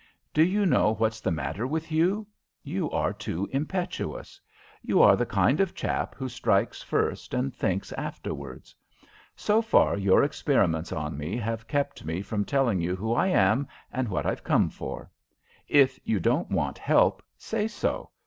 Do you know what's the matter with you? You are too impetuous. You are the kind of chap who strikes first and thinks afterwards. So far your experiments on me have kept me from telling you who I am and what I've come for. If you don't want help, say so.